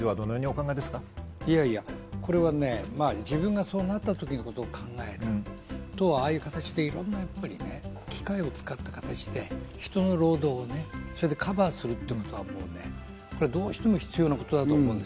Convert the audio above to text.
自分がそうなったときのことを考えると、ああいった形で、いろいろ機械を使った形で人の労働をカバーする、これはどうしても必要なことだと思う。